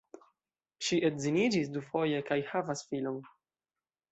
Ŝi edziniĝis dufoje kaj havas filon.